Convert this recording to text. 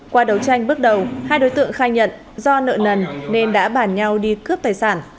qua đấu tranh bước đầu hai đối tượng khai nhận do nợ nần nên đã bản nhau đi cướp tài sản